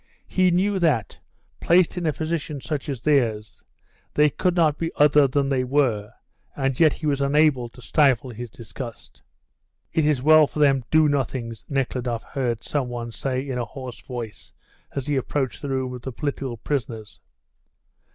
He knew that, placed in a position such as theirs, they could not be other than they were, and yet he was unable to stifle his disgust. "It's well for them do nothings," Nekhludoff heard some one say in a hoarse voice as he approached the room of the political prisoners.